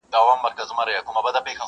چي اوس دي هم په سترګو کي پیالې لرې که نه,